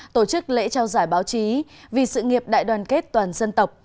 tổ chức lễ trao giải báo chí vì sự nghiệp đại đoàn kết toàn dân tộc